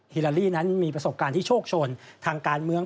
ฮลาลีนั้นมีประสบการณ์ที่โชคชนทางการเมือง